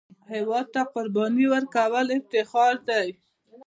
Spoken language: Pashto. هېواد ته قرباني ورکول افتخار دی